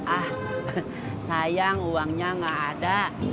ah sayang uangnya nggak ada